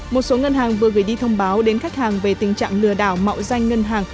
một số ngân hàng vừa gửi đi thông báo đến khách hàng về tình trạng lừa đảo mạo danh ngân hàng